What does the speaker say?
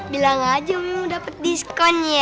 bilang aja mau dapet diskon ya